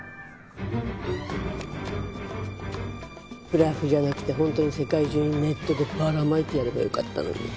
ブラフじゃなくて本当に世界中にネットでばらまいてやればよかったのに。